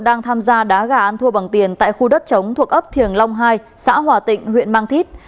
đang tham gia đá gà ăn thua bằng tiền tại khu đất chống thuộc ấp thiềng long hai xã hòa tịnh huyện mang thít